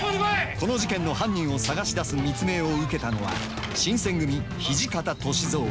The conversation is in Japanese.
この事件の犯人を探し出す密命を受けたのは新選組土方歳三。